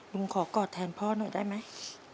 ลุงขอกอดแทนพ่อหน่อยได้ไหม